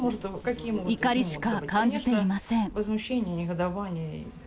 怒りしか感じていません。